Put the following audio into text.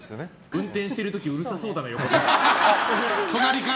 運転してる時うるさそうだな、横で。